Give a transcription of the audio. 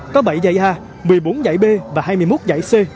có bảy giải a một mươi bốn giải b và hai mươi một giải c